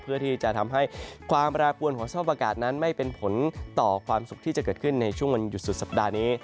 เพื่อที่จะทำให้ความแปรปวนของสภาพอากาศนั้นไม่เป็นผลต่อความสุขที่จะเกิดขึ้นในช่วงวันหยุดสุดสัปดาห์นี้